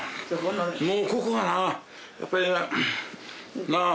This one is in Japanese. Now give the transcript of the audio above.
もうここがな。なあ。